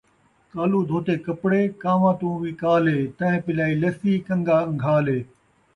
کالو دھوتے کپڑے ، کان٘واں توں وی کالے ، تئیں پلائی لسی کن٘گا ان٘گھالے